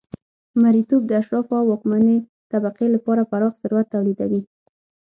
مریتوب د اشرافو او واکمنې طبقې لپاره پراخ ثروت تولیدوي